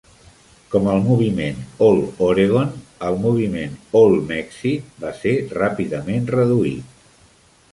Com el moviment All Oregon, el moviment All Mexico va ser ràpidament reduït.